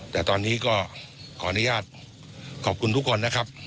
แต่ตอนนี้ก็ขออนุญาตขอบคุณทุกคนนะครับ